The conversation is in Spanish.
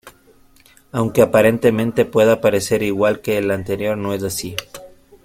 Aunque aparentemente pueda parecer igual que el anterior, no es así.